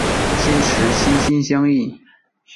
坚持心心相印。